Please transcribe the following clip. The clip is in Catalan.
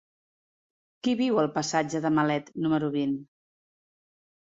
Qui viu al passatge de Malet número vint?